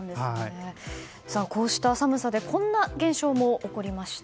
こうした寒さでこんな現象も起こりました。